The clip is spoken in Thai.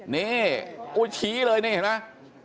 นี่ชี้เลยนี่เห็นไหม